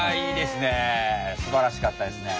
すばらしかったですね。